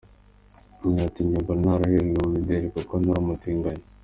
Yagize ati “Njye mbona narahejwe mu mideli kuko ntari umutinganyi.